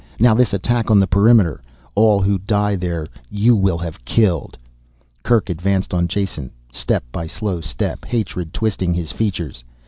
Now this attack on the perimeter all who die there, you will have killed!" Kerk advanced on Jason, step by slow step, hatred twisting his features.